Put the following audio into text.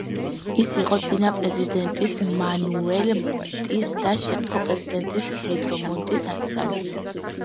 ის იყო წინა პრეზიდენტის მანუელ მონტის და შემდგომი პრეზიდენტის პედრო მონტის ნათესავი.